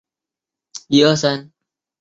万历三十八年登庚戌科进士。